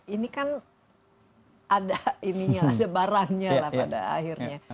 ini kan ada ininya ada barangnya lah pada akhirnya